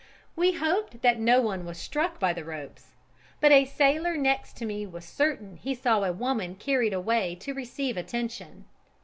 We hoped that no one was struck by the ropes, but a sailor next to me was certain he saw a woman carried away to receive attention.